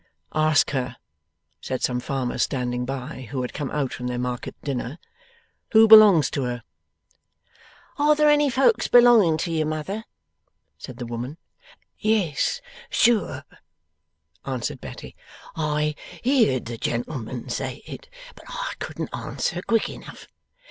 'Ask her,' said some farmers standing by, who had come out from their market dinner, 'who belongs to her.' 'Are there any folks belonging to you, mother?' said the woman. 'Yes sure,' answered Betty. 'I heerd the gentleman say it, but I couldn't answer quick enough.